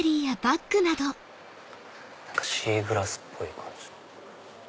何かシーグラスっぽい感じ。